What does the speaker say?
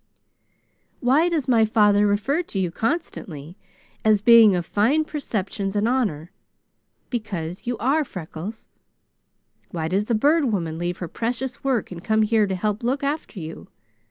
"Why does my father refer to you constantly as being of fine perceptions and honor? Because you are, Freckles. Why does the Bird Woman leave her precious work and come here to help look after you?